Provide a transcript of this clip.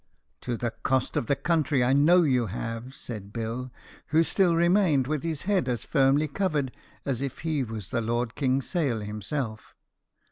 "To the cost of the country, I know you have," said Bill, who still remained with his head as firmly covered as if he was the Lord Kingsale himself.